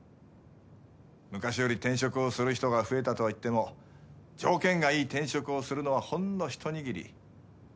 昔より転職をする人が増えたとはいっても条件がいい転職をするのはほんの一握り。